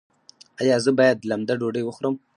ایا زه باید لمده ډوډۍ وخورم؟